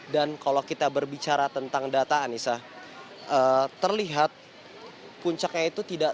dan kalau kita berbicara tentang data anissa terlihat puncaknya itu tidak